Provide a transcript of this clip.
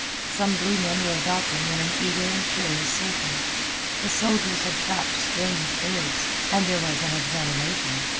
Some blue men were about them in an eager and curious circle. The soldiers had trapped strange birds, and there was an examination.